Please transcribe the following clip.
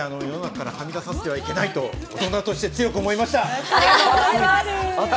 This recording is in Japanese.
それを世の中からはみ出させてはいけないと、強く思いました。